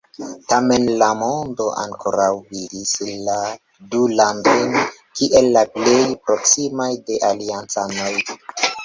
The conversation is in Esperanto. Tamen la mondo ankoraŭ vidis la du landojn kiel la plej proksimaj de aliancanoj.